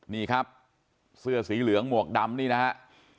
นี่ครับเสื้อสีเหลืองหมวกดำนี่นะฮะ